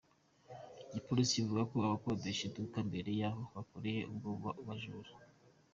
Igipolisi kivuga ko bakodesheje iduka imbere y’aho bakoreye ubwo bujura.